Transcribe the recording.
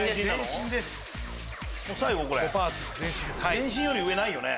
全身より上ないよね。